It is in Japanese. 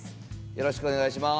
よろしくお願いします。